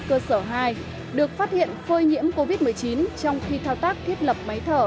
cơ sở hai được phát hiện phơi nhiễm covid một mươi chín trong khi thao tác thiết lập máy thở